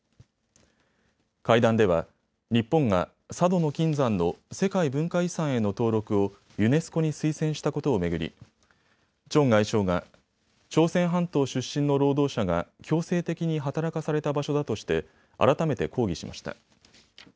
会談では日本が佐渡島の金山の世界文化遺産への登録をユネスコに推薦したことを巡り、チョン外相が朝鮮半島出身の労働者が強制的に働かされた場所だとして改めて抗議しました。